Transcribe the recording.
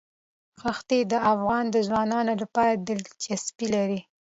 ښتې د افغان ځوانانو لپاره دلچسپي لري.